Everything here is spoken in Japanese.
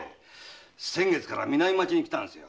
先月南町に来たんですよ。